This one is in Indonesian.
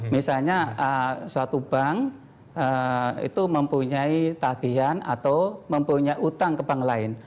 misalnya suatu bank itu mempunyai tagihan atau mempunyai utang ke bank lain